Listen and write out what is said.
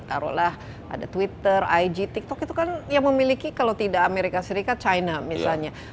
taruhlah ada twitter ig tiktok itu kan yang memiliki kalau tidak amerika serikat china misalnya